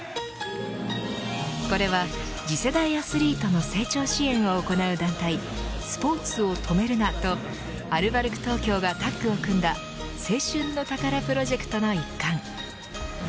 これは次世代アスリートの成長支援を行う団体スポーツを止めるなとアルバルク東京がタッグを組んだ青春の宝プロジェクトの一環。